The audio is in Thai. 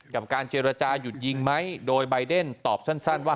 กับการเจรจาหยุดยิงไหมโดยใบเดนตอบสั้นว่า